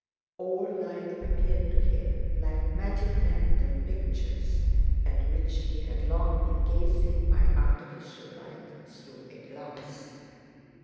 All life appeared to him like magic lantern pictures at which he had long been gazing by artificial light through a glass.